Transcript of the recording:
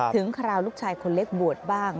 คราวลูกชายคนเล็กบวชบ้าง